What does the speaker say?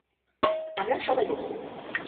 আমরা সবাই বন্ধু।